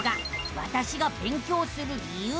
「わたしが勉強する理由」。